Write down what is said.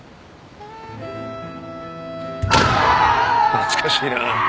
懐かしいな。